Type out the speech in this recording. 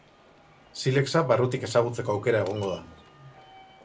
Silexa barrutik ezagutzeko aukera egongo da.